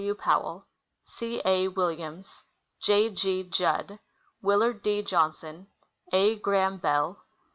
W. Powell. C. A. Williams. J. G. Judd. Willard D. Johnson. A. Graham Bell.